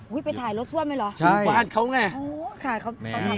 อุ้ยไปถ่ายรถซ่วมไหมเหรอเค้าไอเหรอฮู้วค่ะรถของหิมหนี่